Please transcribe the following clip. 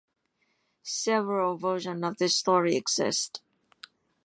Several versions of this story exist.